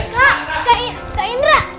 kak kak indra